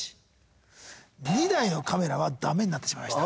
２台のカメラはダメになってしまいました。